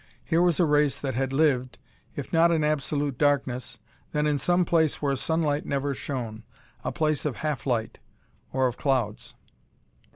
Here was a race that had lived, if not in absolute darkness, then in some place where sunlight never shone a place of half light or of clouds.